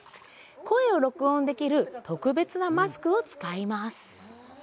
声を録音できる特別なマスクを使います。